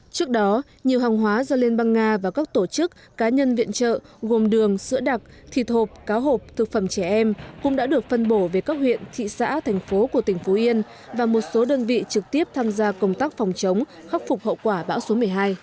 trước đó nhiều hàng hóa do liên bang nga và các tổ chức cá nhân viện trợ gồm đường sữa đặc thịt hộp cá hộp thực phẩm trẻ em cũng đã được phân bổ về các huyện thị xã thành phố của tỉnh phú yên và một số đơn vị trực tiếp tham gia công tác phòng chống khắc phục hậu quả bão số một mươi hai